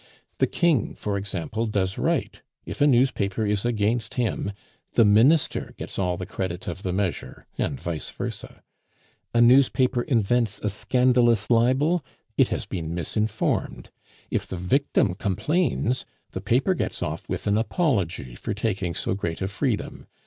The King, for example, does right; if a newspaper is against him, the Minister gets all the credit of the measure, and vice versa. A newspaper invents a scandalous libel it has been misinformed. If the victim complains, the paper gets off with an apology for taking so great a freedom.